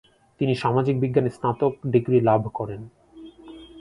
তিনি সামাজিক বিজ্ঞানে স্নাতক ডিগ্রি লাভ করেন।